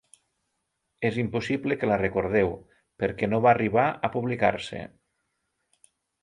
És impossible que la recordeu perquè no va arribar a publicar-se.